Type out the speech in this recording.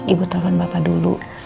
ibu telfon bapak dulu